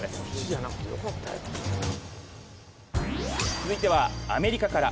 続いてはアメリカから。